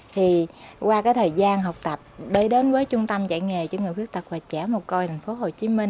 thì qua cái thời gian học tập đi đến với trung tâm dạy nghề cho người khuyết tật và trẻ mồ côi tp hcm